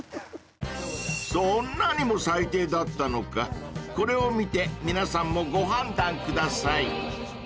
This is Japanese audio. ［そんなにも最低だったのかこれを見て皆さんもご判断ください］